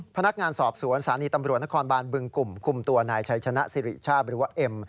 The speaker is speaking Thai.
พนักงานสอบสวนสถานีตำรวจนครบานบึงกลุ่มคุมตัวนายชัยชนะสิริชาติหรือว่าเอ็ม